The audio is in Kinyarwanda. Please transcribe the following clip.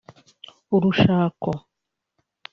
urushako